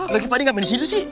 lagi pak d gak main disini sih